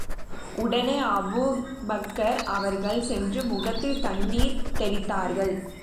உடனே அபூபக்கர் அவர்கள் சென்று, முகத்தில் தண்ணீர் தெளித்தார்கள்.